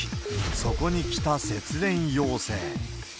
そこに来た節電要請。